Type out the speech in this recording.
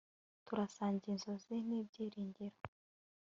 Turasangiye inzozi nibyiringiro